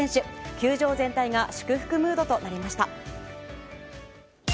球場全体が祝福ムードとなりました。